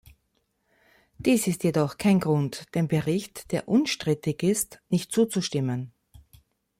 Dies ist jedoch kein Grund, dem Bericht, der unstrittig ist, nicht zuzustimmen.